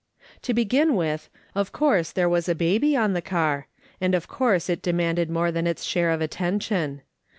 To begin with, of course tliere was a baby on the car, and of course it demanded more than its share of attention.